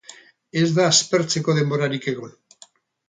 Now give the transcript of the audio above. Ez da aspertzeko denborarik egon.